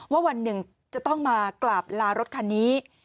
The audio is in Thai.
วันหนึ่งจะต้องมากราบลารถคันนี้